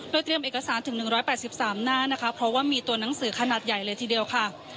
โดยเตรียมเอกสารถึง๑๘๓หน้านะคะเพราะว่ามีตัวหนังสือขนาดใหญ่เลยทีเดียวค่ะ